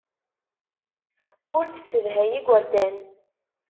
Ur tessedhay igerdan.